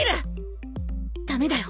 駄目だよ！